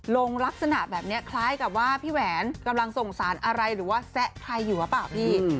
ลงลักษณะแบบนี้คล้ายกับว่าพี่แหวนกำลังส่งสารอะไรหรือว่าแซะใครอยู่หรือเปล่าพี่